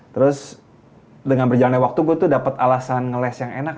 terus dengan berjalannya waktu gue tuh dapat alasan ngeles yang enak